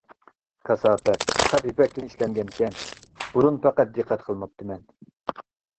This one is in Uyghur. كاساپەت، ساپ يىپەكتىن ئىشلەنگەنكەن، بۇرۇن پەقەت دىققەت قىلماپتىمەن.